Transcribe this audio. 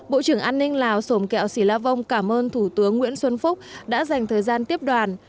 bộ trưởng an ninh lào sồm kẹo sĩ la vong cảm ơn thủ tướng nguyễn xuân phúc đã dành thời gian tiếp đoàn